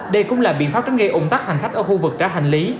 đây cũng là biện pháp tránh gây ủng tắc hành khách ở khu vực trả hành lý